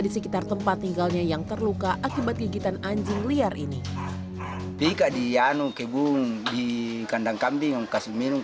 di sekitar tempat tinggalnya yang terluka akibat gigitan anjing liar ini di kandang kambing minum